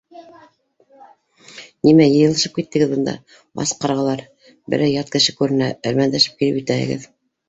— Нимә йыйылышып киттегеҙ бында, ас ҡарғалар? Берәй ят кеше күренһә, элмәндәшеп килеп етәһегеҙ!